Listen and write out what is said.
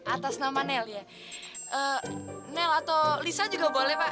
atas nama nel ya nel atau lisa juga boleh pak